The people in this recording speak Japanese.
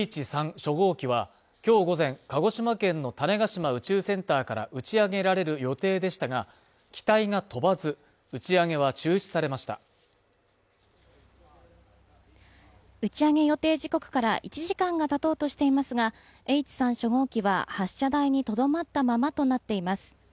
初号機はきょう午前鹿児島県の種子島宇宙センターから打ち上げられる予定でしたが機体が飛ばず打ち上げは中止されました打ち上げ予定時刻から１時間がたとうとしていますがＨ３初号機は発射台にとどまったままとなっています